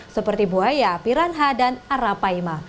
seperti buaya piranha dan arapaima